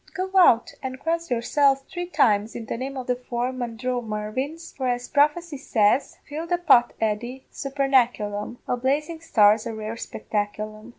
Go out and cross yourselves three times in the name o' the four Mandromarvins, for as prophecy says: Fill the pot, Eddy, supernaculum a blazing star's a rare spectaculum.